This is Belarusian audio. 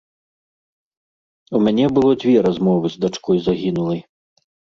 У мяне было дзве размовы з дачкой загінулай.